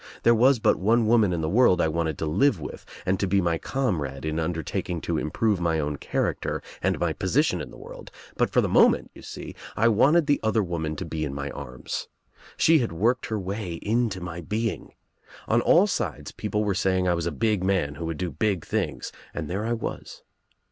There was but one woman in the world I wanted to live with and to be my comrade in undertak ing to improve my own character and my position in the world, but for the moment, you see, I wanted this other woman to be in my arms. She had worked THE OTHER WOMAN her way into ihy being. On all sides people were saying I was a big man who would do big things, and there I was.